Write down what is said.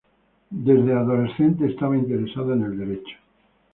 Desde adolescente estaba interesada en el derecho.